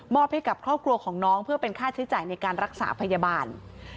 ให้กับครอบครัวของน้องเพื่อเป็นค่าใช้จ่ายในการรักษาพยาบาล